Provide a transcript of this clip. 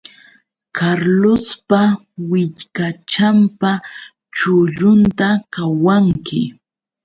Carlospa willkachanpa chullunta qawanki